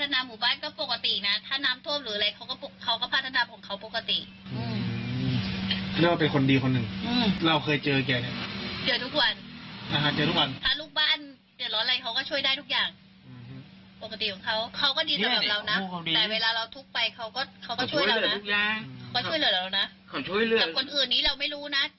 น่ารักเหรอ